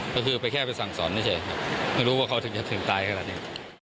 ก็คือไปแค่ไปสั่งสอนเฉยครับไม่รู้ว่าเขาถึงจะถึงตายขนาดนี้